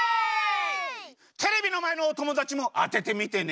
テレビのまえのおともだちもあててみてね！